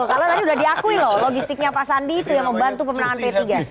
karena tadi sudah diakui loh logistiknya pak sandi itu yang membantu pemenang p tiga